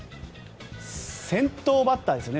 先頭バッターですね